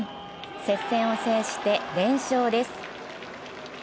接戦を制して連勝です。